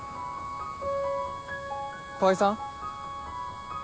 川合さん？